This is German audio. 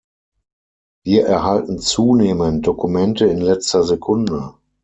Wir erhalten zunehmend Dokumente in letzter Sekunde.